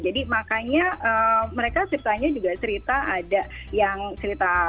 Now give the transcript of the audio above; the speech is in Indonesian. jadi makanya mereka ceritanya juga cerita ada yang cerita klasik gitu ya